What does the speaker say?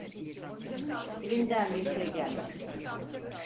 Elinden bir şey gelmez.